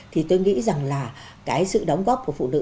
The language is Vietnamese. thì tôi nghĩ rằng là cái sự đóng góp của phụ nữ